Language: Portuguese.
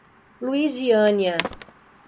Luisiânia